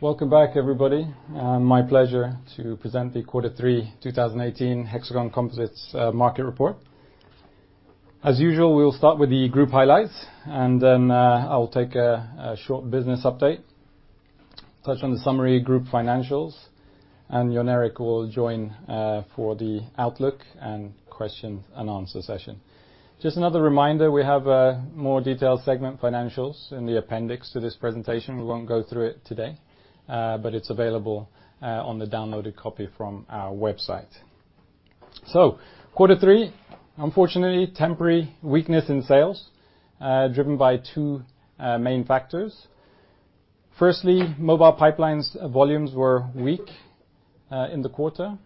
Welcome back, everybody. My pleasure to present the Q3 2018 Hexagon Composites Market Report. As usual, we will start with the group highlights. Then I will take a short business update, touch on the summary group financials, and Jon Erik will join for the outlook and question and answer session. Just another reminder, we have a more detailed segment financials in the appendix to this presentation. We won't go through it today. It's available on the downloaded copy from our website. Q3, unfortunately, temporary weakness in sales, driven by two main factors. Firstly, Mobile Pipeline volumes were weak in the quarter.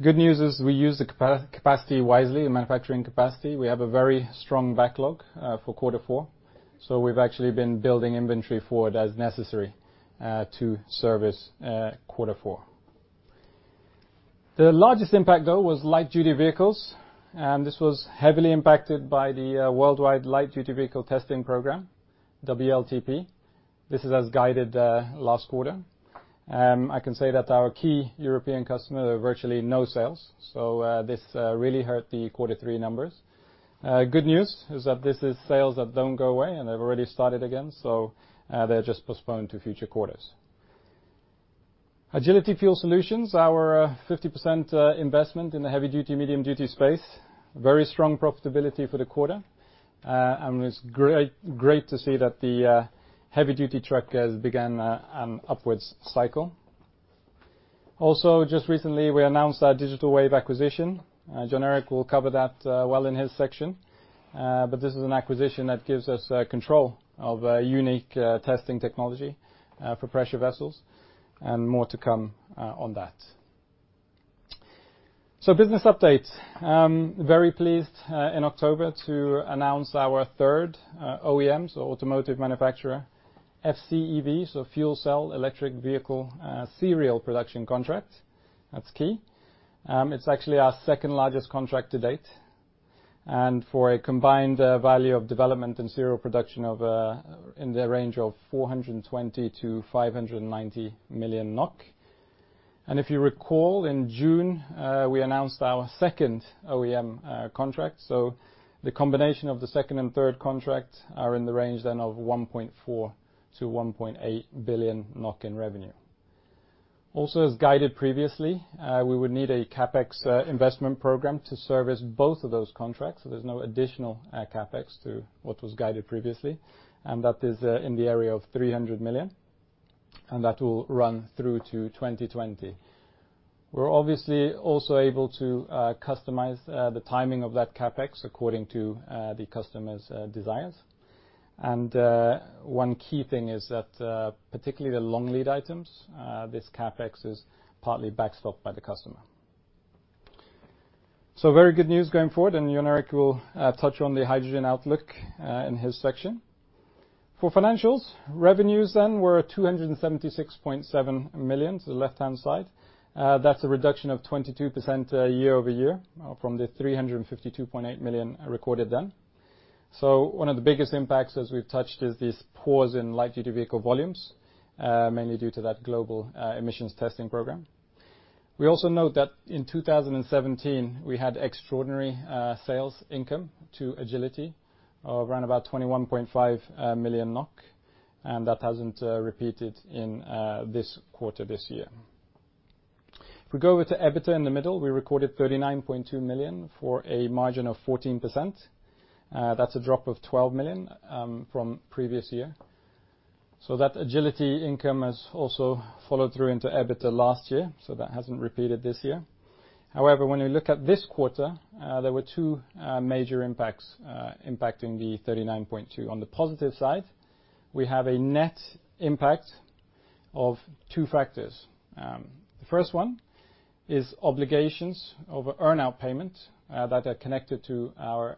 Good news is we used the capacity wisely, the manufacturing capacity. We have a very strong backlog for Q4. We've actually been building inventory for it as necessary to service Q4. The largest impact, though, was light-duty vehicles. This was heavily impacted by the worldwide light-duty vehicle testing program, WLTP. This is as guided last quarter. I can say that our key European customer, virtually no sales. This really hurt the Q3 numbers. Good news is that this is sales that don't go away, and they've already started again. They're just postponed to future quarters. Agility Fuel Solutions, our 50% investment in the heavy-duty, medium-duty space, very strong profitability for the quarter. It's great to see that the heavy-duty truck has began an upwards cycle. Just recently, we announced our Digital Wave acquisition. Jon Erik will cover that well in his section. This is an acquisition that gives us control of a unique testing technology for pressure vessels, and more to come on that. Business update. Very pleased, in October, to announce our third OEM, so automotive manufacturer, FCEV, so fuel cell electric vehicle, serial production contract. That's key. It's actually our second-largest contract to date. For a combined value of development and serial production in the range of 420 million-590 million NOK. If you recall, in June, we announced our second OEM contract. The combination of the second and third contract are in the range then of 1.4 billion-1.8 billion NOK in revenue. As guided previously, we would need a CapEx investment program to service both of those contracts. There's no additional CapEx to what was guided previously. That is in the area of 300 million. That will run through to 2020. We're obviously also able to customize the timing of that CapEx according to the customer's desires. One key thing is that, particularly the long lead items, this CapEx is partly backstopped by the customer. Very good news going forward. Jon Erik will touch on the hydrogen outlook in his section. For financials, revenues then were 276.7 million to the left-hand side. That's a reduction of 22% year-over-year from the 352.8 million recorded then. One of the biggest impacts, as we've touched, is this pause in light-duty vehicle volumes, mainly due to that global emissions testing program. We note that in 2017, we had extraordinary sales income to Agility of around about 21.5 million NOK, and that hasn't repeated in this quarter this year. If we go over to EBITDA in the middle, we recorded 39.2 million for a margin of 14%. That's a drop of 12 million from previous year. Agility income has also followed through into EBITDA last year, that hasn't repeated this year. However, when we look at this quarter, there were two major impacts impacting the 39.2. On the positive side, we have a net impact of two factors. The first one is obligations of earn-out payment that are connected to our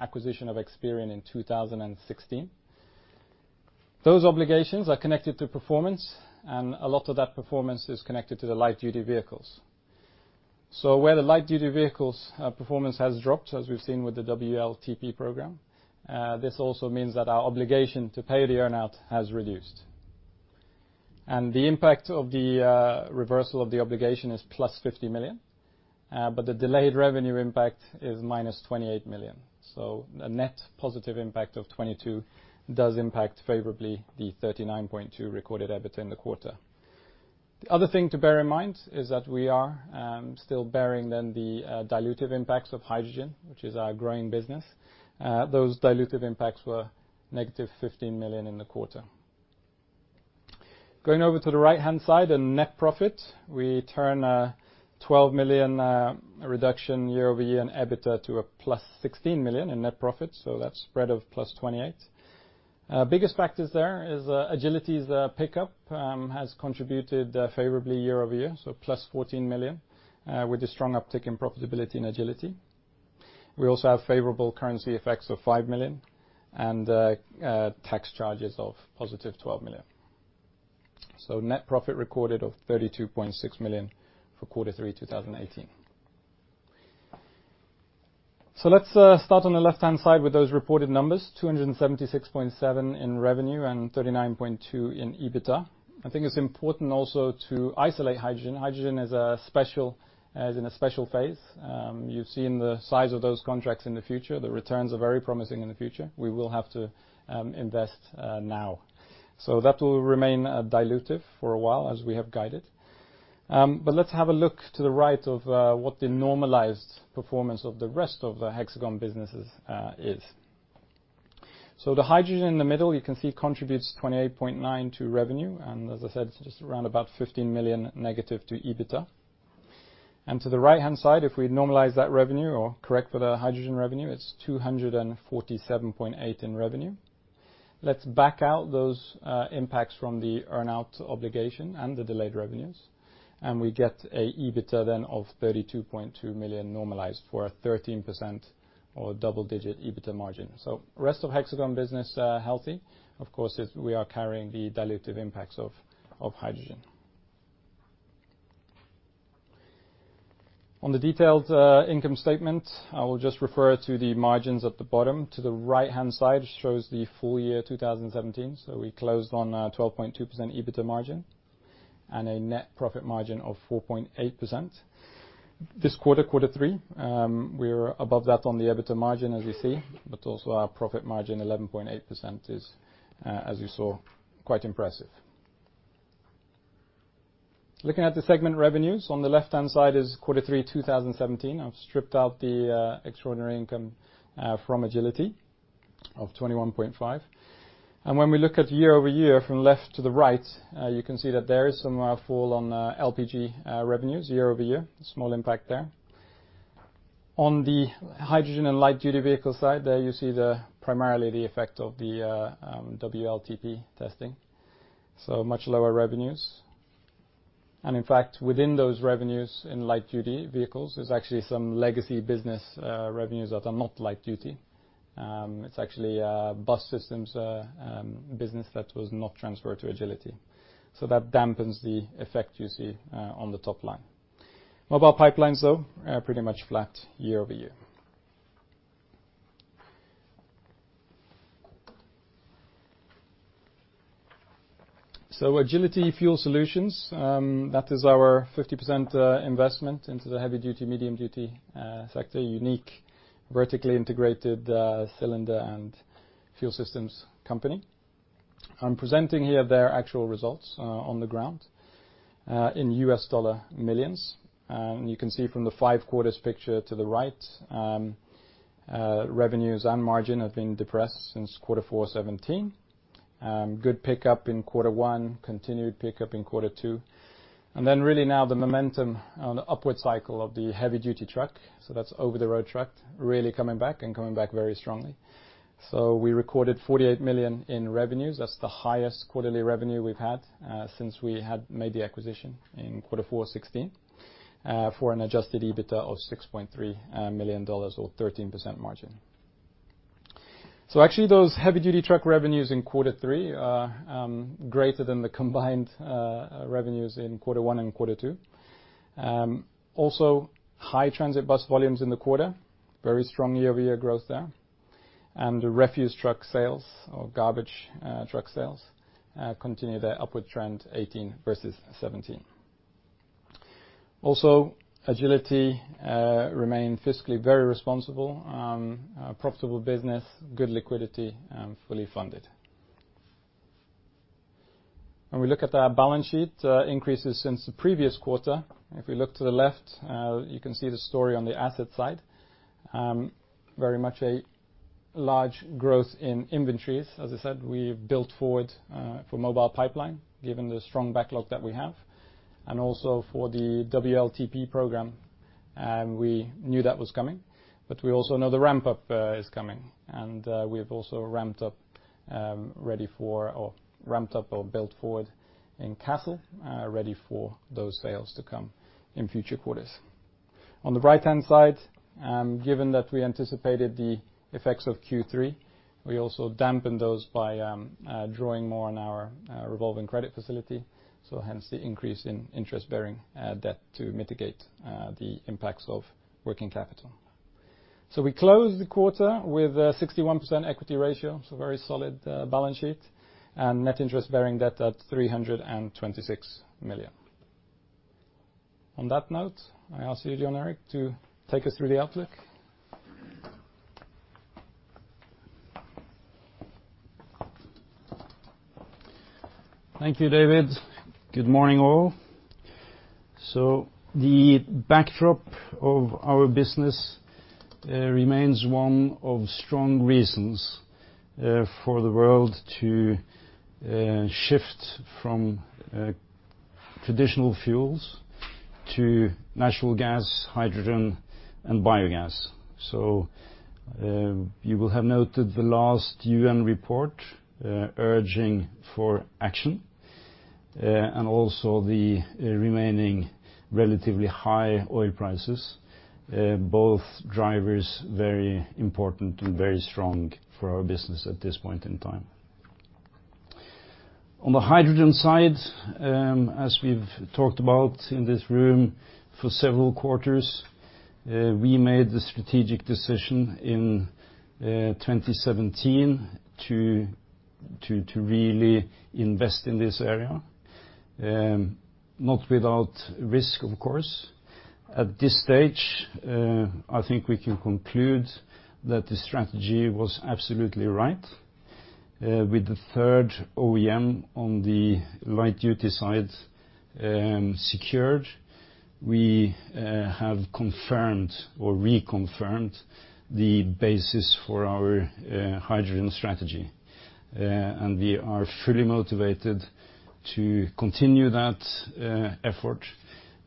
acquisition of xperion in 2016. Those obligations are connected to performance, a lot of that performance is connected to the light-duty vehicles. Where the light-duty vehicles performance has dropped, as we've seen with the WLTP program, this also means that our obligation to pay the earn-out has reduced. The impact of the reversal of the obligation is +50 million, but the delayed revenue impact is -28 million. A net positive impact of 22 does impact favorably the 39.2 recorded EBITDA in the quarter. The other thing to bear in mind is that we are still bearing the dilutive impacts of hydrogen, which is our growing business. Those dilutive impacts were -15 million in the quarter. Going over to the right-hand side and net profit, we turn a 12 million reduction year-over-year in EBITDA to a +16 million in net profit, that spread of +28. Biggest factors there is Agility's pickup has contributed favorably year-over-year, +14 million with a strong uptick in profitability in Agility. We also have favorable currency effects of 5 million and tax charges of +12 million. Net profit recorded of 32.6 million for Quarter 3 2018. Let's start on the left-hand side with those reported numbers, 276.7 in revenue and 39.2 in EBITDA. I think it's important also to isolate hydrogen. Hydrogen is in a special phase. You've seen the size of those contracts in the future. The returns are very promising in the future. We will have to invest now. That will remain dilutive for a while as we have guided. Let's have a look to the right of what the normalized performance of the rest of the Hexagon businesses is. The hydrogen in the middle, you can see, contributes 28.9 to revenue, as I said, it's just around about -15 million negative to EBITDA. To the right-hand side, if we normalize that revenue or correct for the hydrogen revenue, it's 247.8 in revenue. Let's back out those impacts from the earn-out obligation and the delayed revenues, we get an EBITDA then of 32.2 million normalized for a 13% or double-digit EBITDA margin. Rest of Hexagon business, healthy. Of course, we are carrying the dilutive impacts of hydrogen. On the detailed income statement, I will just refer to the margins at the bottom. To the right-hand side shows the full year 2017. We closed on a 12.2% EBITDA margin and a net profit margin of 4.8%. This quarter three, we're above that on the EBITDA margin, as you see, also our profit margin, 11.8%, is, as you saw, quite impressive. Looking at the segment revenues, on the left-hand side is quarter three 2017. I've stripped out the extraordinary income from Agility of 21.5. When we look at year-over-year from left to the right, you can see that there is some fall on LPG revenues year-over-year. Small impact there. On the hydrogen and light-duty vehicle side, there you see primarily the effect of the WLTP testing. Much lower revenues. In fact, within those revenues in light-duty vehicles, there's actually some legacy business revenues that are not light duty. It's actually a bus systems business that was not transferred to Agility. That dampens the effect you see on the top line. Mobile Pipeline, though, pretty much flat year-over-year. Agility Fuel Solutions, that is our 50% investment into the heavy-duty, medium-duty sector, unique vertically integrated cylinder and fuel systems company. I'm presenting here their actual results on the ground in US dollar millions. You can see from the 5 quarters picture to the right, revenues and margin have been depressed since Q4 2017. Good pickup in Q1, continued pickup in Q2, and then really now the momentum on the upward cycle of the heavy-duty truck, so that's over-the-road truck, really coming back and coming back very strongly. We recorded $48 million in revenues. That's the highest quarterly revenue we've had since we had made the acquisition in Q4 2016 for an adjusted EBITDA of $6.3 million or 13% margin. Actually those heavy-duty truck revenues in Q3 are greater than the combined revenues in Q1 and Q2. Also, high transit bus volumes in the quarter, very strong year-over-year growth there. The refuse truck sales or garbage truck sales continue their upward trend 2018 versus 2017. Agility remain fiscally very responsible, profitable business, good liquidity, and fully funded. When we look at our balance sheet increases since the previous quarter, if we look to the left, you can see the story on the asset side. Very much a large growth in inventories. As I said, we've built forward for Mobile Pipeline given the strong backlog that we have and also for the WLTP program. We knew that was coming, but we also know the ramp-up is coming, and we have also ramped up or built forward in Kassel ready for those sales to come in future quarters. On the right-hand side, given that we anticipated the effects of Q3, we also dampened those by drawing more on our revolving credit facility, so hence the increase in interest-bearing debt to mitigate the impacts of working capital. We closed the quarter with a 61% equity ratio, so very solid balance sheet, and net interest-bearing debt at 326 million. On that note, I ask you, Jon Erik, to take us through the outlook. Thank you, David. Good morning, all. The backdrop of our business remains one of strong reasons for the world to shift from traditional fuels to natural gas, hydrogen, and biogas. You will have noted the last U.N. report urging for action and also the remaining relatively high oil prices, both drivers very important and very strong for our business at this point in time. On the hydrogen side, as we've talked about in this room for several quarters, we made the strategic decision in 2017 to really invest in this area. Not without risk, of course. At this stage, I think we can conclude that the strategy was absolutely right. With the third OEM on the light-duty side secured, we have confirmed or reconfirmed the basis for our hydrogen strategy. We are fully motivated to continue that effort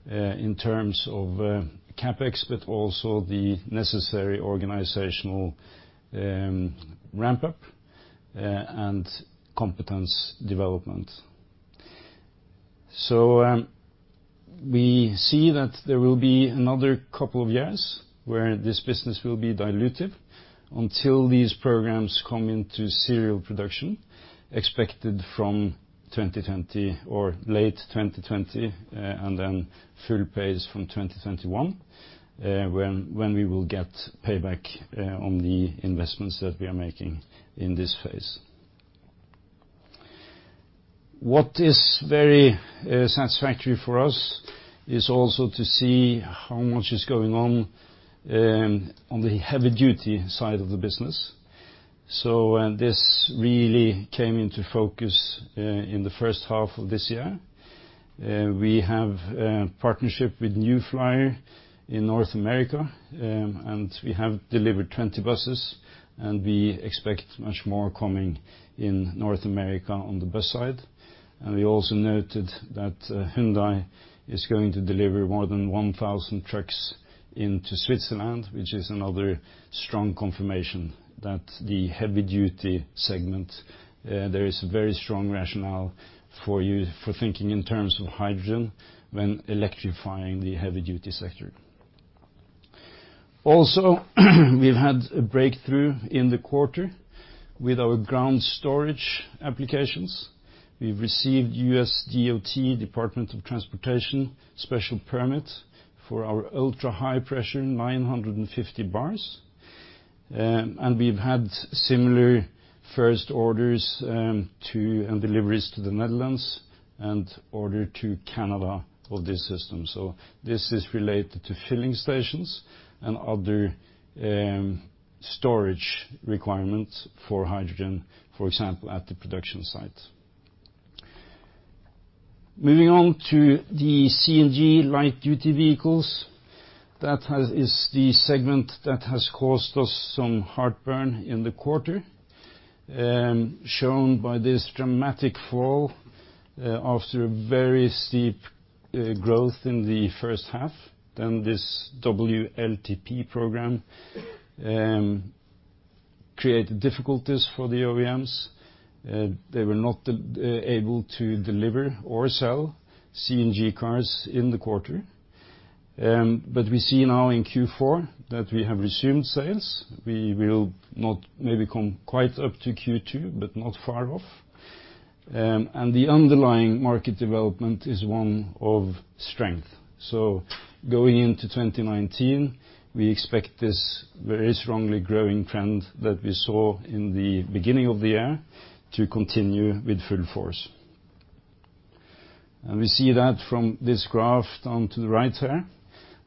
in terms of CapEx, but also the necessary organizational ramp-up and competence development. We see that there will be another couple of years where this business will be diluted until these programs come into serial production, expected from 2020 or late 2020, then full pace from 2021, when we will get payback on the investments that we are making in this phase. What is very satisfactory for us is also to see how much is going on the heavy-duty side of the business. This really came into focus in the first half of this year. We have a partnership with New Flyer in North America. We have delivered 20 buses, and we expect much more coming in North America on the bus side. We also noted that Hyundai is going to deliver more than 1,000 trucks into Switzerland, which is another strong confirmation that the heavy-duty segment, there is a very strong rationale for thinking in terms of hydrogen when electrifying the heavy-duty sector. We've had a breakthrough in the quarter with our ground storage applications. We've received USDOT, Department of Transportation, special permit for our ultra-high pressure 950 bars. We've had similar first orders and deliveries to the Netherlands and order to Canada for this system. This is related to filling stations and other storage requirements for hydrogen, for example, at the production site. Moving on to the CNG light-duty vehicles. That is the segment that has caused us some heartburn in the quarter, shown by this dramatic fall after very steep growth in the first half. This WLTP program created difficulties for the OEMs. They were not able to deliver or sell CNG cars in the quarter. We see now in Q4 that we have resumed sales. We will not maybe come quite up to Q2, but not far off. The underlying market development is one of strength. Going into 2019, we expect this very strongly growing trend that we saw in the beginning of the year to continue with full force. We see that from this graph down to the right here,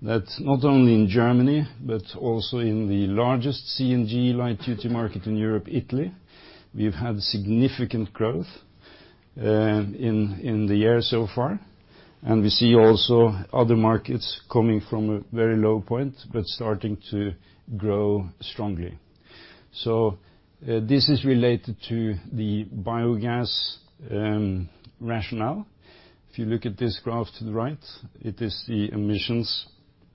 that not only in Germany, but also in the largest CNG light-duty market in Europe, Italy, we've had significant growth in the year so far. We see also other markets coming from a very low point, but starting to grow strongly. This is related to the biogas rationale. If you look at this graph to the right, it is the emissions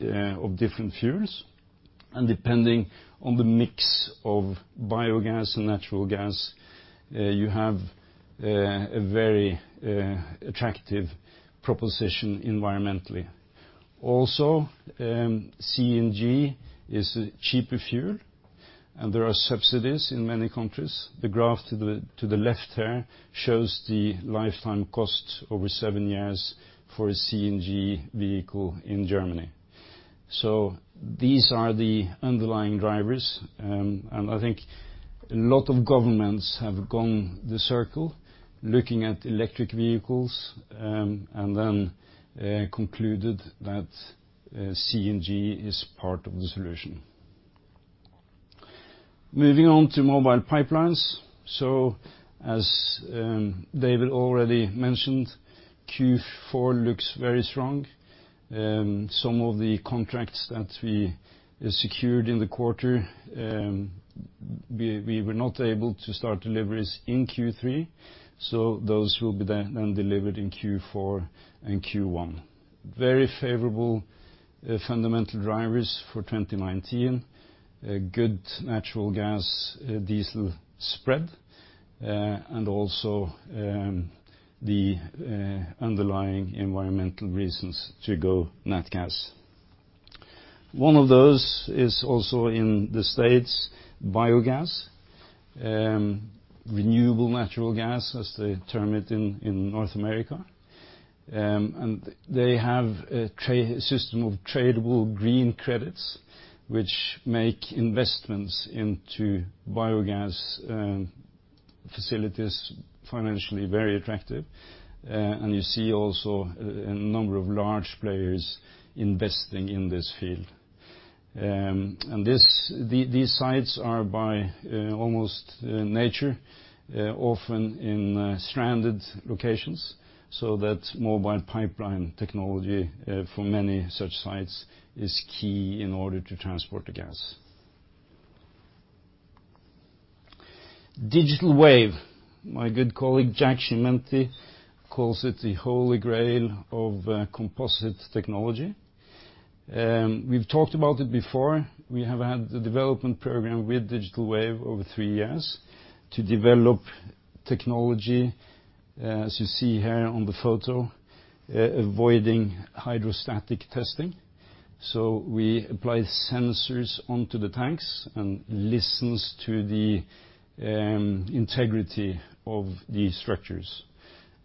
of different fuels. Depending on the mix of biogas and natural gas, you have a very attractive proposition environmentally. Also, CNG is a cheaper fuel, and there are subsidies in many countries. The graph to the left there shows the lifetime cost over seven years for a CNG vehicle in Germany. These are the underlying drivers, I think a lot of governments have gone the circle looking at electric vehicles, then concluded that CNG is part of the solution. Moving on to mobile pipelines. As David already mentioned, Q4 looks very strong. Some of the contracts that we secured in the quarter, we were not able to start deliveries in Q3, so those will be then delivered in Q4 and Q1. Very favorable fundamental drivers for 2019. A good natural gas-diesel spread and also the underlying environmental reasons to go nat gas. One of those is also in the U.S., biogas, renewable natural gas, as they term it in North America. They have a system of tradable green credits, which make investments into biogas facilities financially very attractive. You see also a number of large players investing in this field. These sites are by almost nature, often in stranded locations, so that Mobile Pipeline technology for many such sites is key in order to transport the gas. Digital Wave, my good colleague, Jack Schimenti, calls it the holy grail of composite technology. We've talked about it before. We have had the development program with Digital Wave over three years to develop technology, as you see here on the photo, avoiding hydrostatic testing. We apply sensors onto the tanks and listens to the integrity of the structures.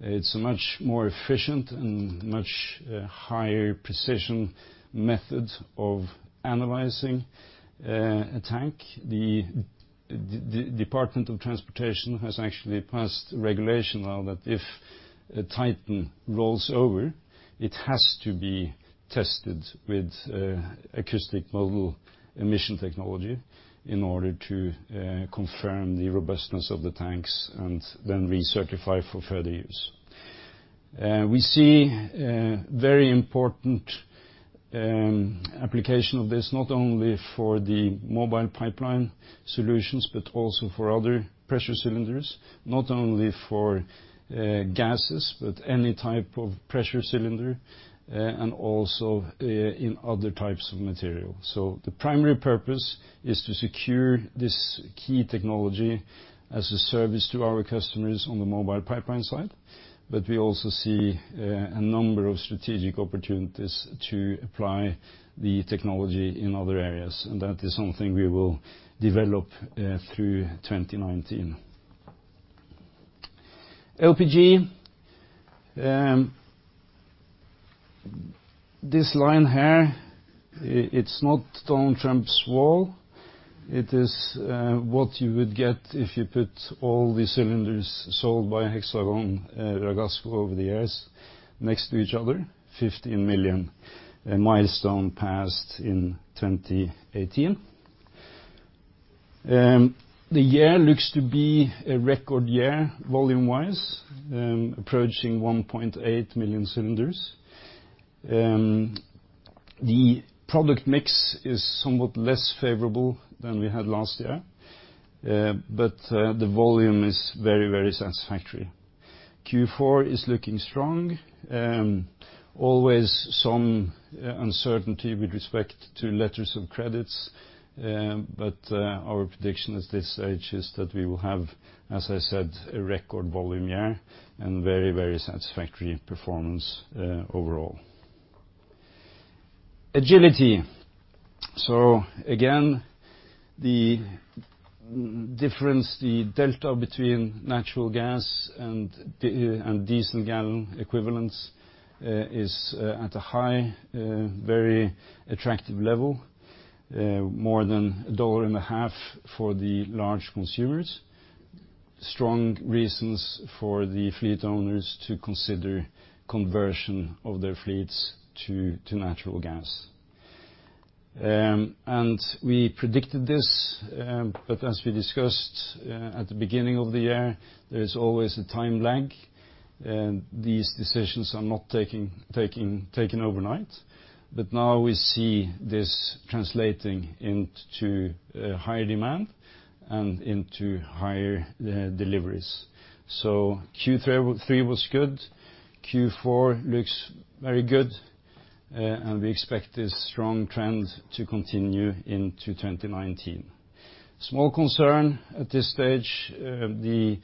It's a much more efficient and much higher precision method of analyzing a tank. The Department of Transportation has actually passed regulation now that if a TITAN rolls over, it has to be tested with acoustic emission technology in order to confirm the robustness of the tanks and then recertify for further use. We see very important application of this, not only for the Mobile Pipeline solutions, but also for other pressure cylinders. Not only for gases, but any type of pressure cylinder, and also in other types of material. The primary purpose is to secure this key technology as a service to our customers on the Mobile Pipeline side. We also see a number of strategic opportunities to apply the technology in other areas, and that is something we will develop through 2019. LPG. This line here, it's not Donald Trump's wall. It is what you would get if you put all the cylinders sold by Hexagon Purus over the years next to each other, 15 million, a milestone passed in 2018. The year looks to be a record year volume-wise, approaching 1.8 million cylinders. The product mix is somewhat less favorable than we had last year. The volume is very satisfactory. Q4 is looking strong. Always some uncertainty with respect to letters of credits. Our prediction at this stage is that we will have, as I said, a record volume year and very satisfactory performance overall. Agility. Again, the difference, the delta between natural gas and diesel gallon equivalence, is at a high, very attractive level, more than a dollar and a half for the large consumers. Strong reasons for the fleet owners to consider conversion of their fleets to natural gas. We predicted this, as we discussed at the beginning of the year, there is always a time lag. These decisions are not taken overnight, but now we see this translating into higher demand and into higher deliveries. Q3 was good. Q4 looks very good. We expect this strong trend to continue into 2019. Small concern at this stage, the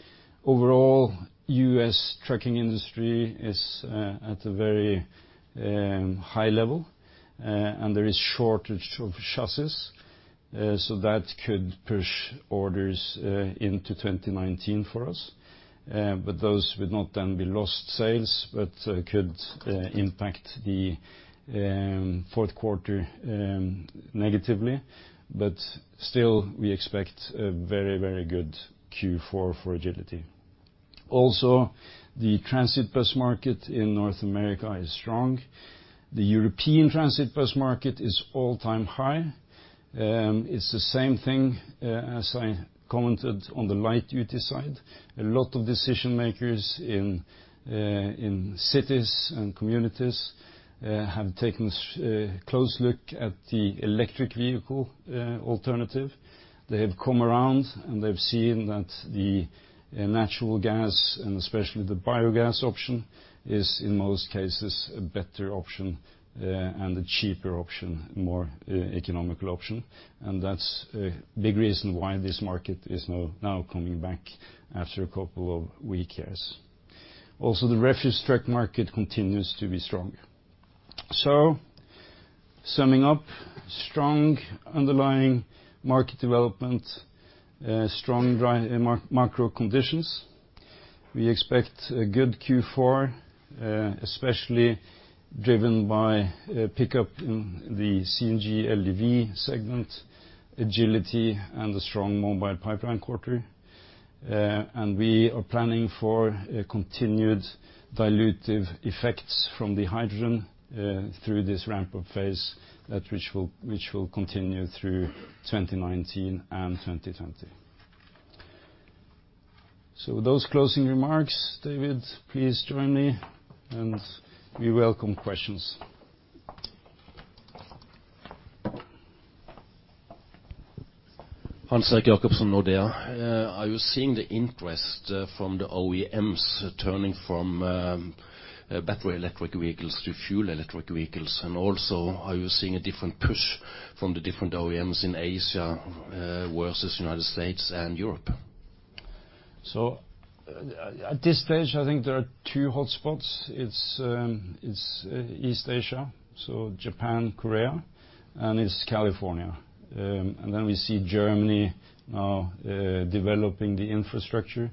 overall U.S. trucking industry is at a very high level, and there is shortage of chassis. That could push orders into 2019 for us. Those would not then be lost sales, but could impact the fourth quarter negatively. Still, we expect a very good Q4 for Agility. The transit bus market in North America is strong. The European transit bus market is all-time high. It's the same thing as I commented on the light-duty side. A lot of decision-makers in cities and communities have taken a close look at the electric vehicle alternative. They have come around and they've seen that the natural gas and especially the biogas option is, in most cases, a better option and a cheaper option, more economical option. That's a big reason why this market is now coming back after a couple of weak years. The refuse truck market continues to be strong. Summing up, strong underlying market development, strong macro conditions. We expect a good Q4, especially driven by a pickup in the CNG LDV segment, Agility, and a strong Mobile Pipeline quarter. We are planning for continued dilutive effects from the hydrogen through this ramp-up phase, which will continue through 2019 and 2020. With those closing remarks, David, please join me, and we welcome questions. Hans-Erik Jacobsen, Nordea. Are you seeing the interest from the OEMs turning from battery electric vehicles to fuel electric vehicles? Are you seeing a different push from the different OEMs in Asia versus the U.S. and Europe? At this stage, I think there are two hotspots. It's East Asia, so Japan, Korea, and it's California. We see Germany now developing the infrastructure,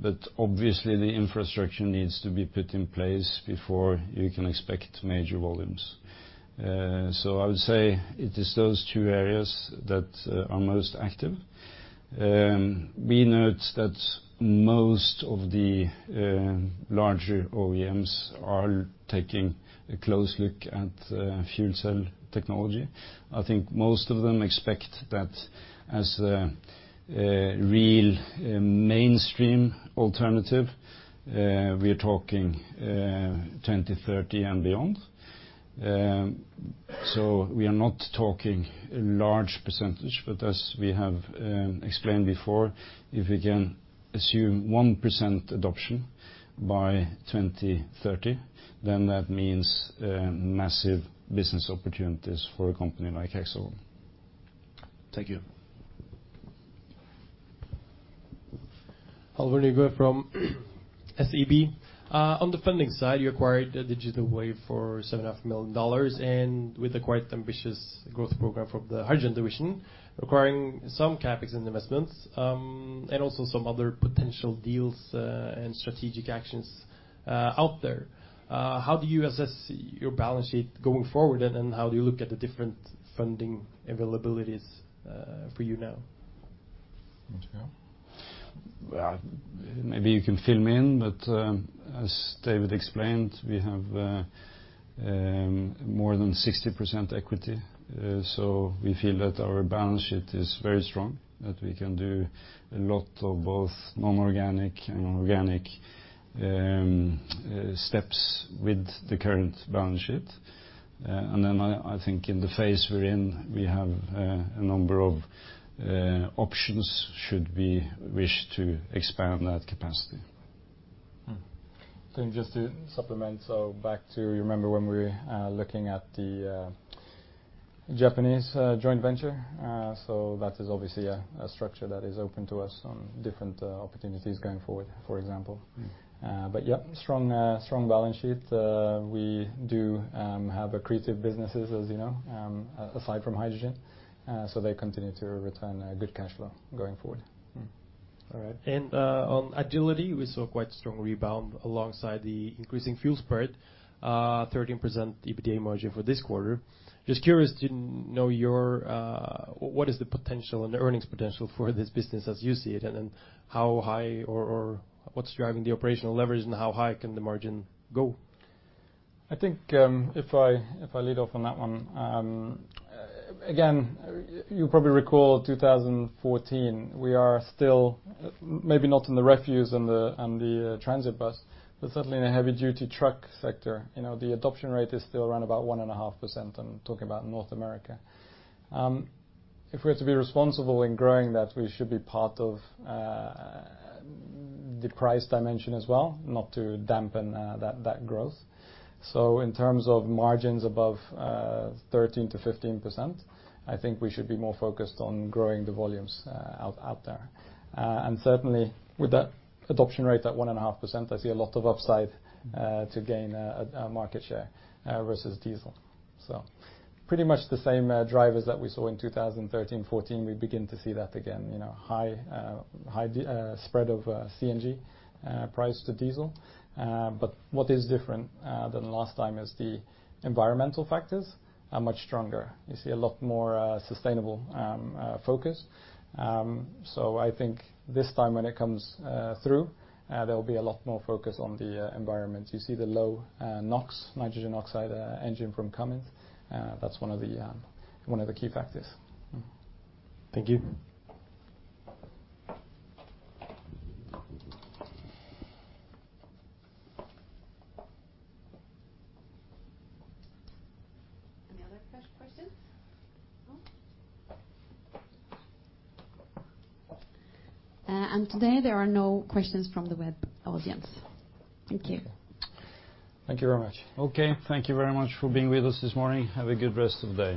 but obviously the infrastructure needs to be put in place before you can expect major volumes. I would say it is those two areas that are most active. We note that most of the larger OEMs are taking a close look at the fuel cell technology. I think most of them expect that as a real mainstream alternative, we are talking 2030 and beyond. We are not talking a large percentage, but as we have explained before, if we can assume 1% adoption by 2030, that means massive business opportunities for a company like Hexcel. Thank you. Halvor Nygaard from SEB. On the funding side, you acquired Digital Wave for $7.5 million. With a quite ambitious growth program from the hydrogen division, acquiring some CapEx investments, also some other potential deals, and strategic actions out there. How do you assess your balance sheet going forward, and how do you look at the different funding availabilities for you now? Matteo? Well, maybe you can fill me in. As David explained, we have more than 60% equity. We feel that our balance sheet is very strong, that we can do a lot of both non-organic and organic steps with the current balance sheet. I think in the phase we're in, we have a number of options should we wish to expand that capacity. Just to supplement. Back to, you remember when we were looking at the Japanese joint venture? That is obviously a structure that is open to us on different opportunities going forward, for example. Yeah, strong balance sheet. We do have accretive businesses as you know, aside from hydrogen. They continue to return good cash flow going forward. All right. On Agility, we saw quite a strong rebound alongside the increasing fuel spread, 13% EBITDA margin for this quarter. Just curious to know what is the potential and the earnings potential for this business as you see it, how high or what's driving the operational leverage and how high can the margin go? I think, if I lead off on that one. You probably recall 2014. We are still, maybe not in the refuse and the transit bus, but certainly in the heavy-duty truck sector. The adoption rate is still around about 1.5%, I'm talking about North America. If we are to be responsible in growing that, we should be part of the price dimension as well, not to dampen that growth. In terms of margins above 13%-15%, I think we should be more focused on growing the volumes out there. Certainly with that adoption rate at 1.5%, I see a lot of upside to gain market share versus diesel. Pretty much the same drivers that we saw in 2013, 2014, we begin to see that again. High spread of CNG price to diesel. What is different than the last time is the environmental factors are much stronger. You see a lot more sustainable focus. I think this time when it comes through, there will be a lot more focus on the environment. You see the low NOx, nitrogen oxide engine from Cummins. That's one of the key factors. Thank you. Any other question? No. Today, there are no questions from the web audience. Thank you. Thank you very much. Okay. Thank you very much for being with us this morning. Have a good rest of the day.